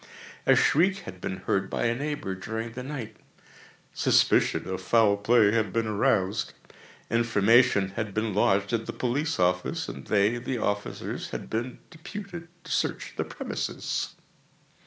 A shriek had been heard by a neighbour during the night; suspicion of foul play had been aroused; information had been lodged at the police office, and they (the officers) had been deputed to search the premises.